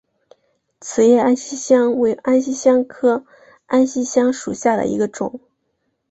齿叶安息香为安息香科安息香属下的一个种。